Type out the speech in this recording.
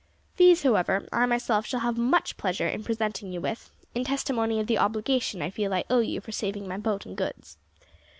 These, however, I myself shall have much pleasure in presenting you with, in testimony of the obligation I feel I owe you for saving my boat and goods.